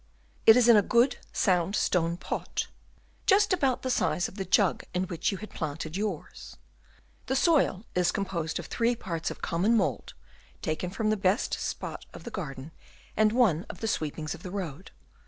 "It is in a good, sound stone pot, just about the size of the jug in which you had planted yours. The soil is composed of three parts of common mould, taken from the best spot of the garden, and one of the sweepings of the road.